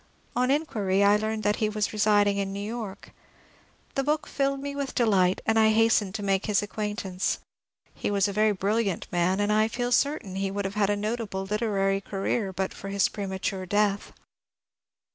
On inquiry I learned that he was re siding in New York. The book filled me with delight, and I hastened to make his acquaintance. He was a very brilliant man, and I feel certain that he would have had a notable lit erary career but for his premature death.